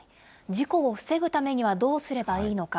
事故を防ぐためにはどうすればいいのか。